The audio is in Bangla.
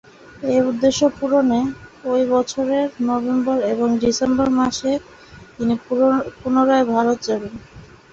এই উদ্দেশ্য পূরণে, ঐ বছরের নভেম্বর এবং ডিসেম্বর মাসে তিনি পুনরায় ভারত যান।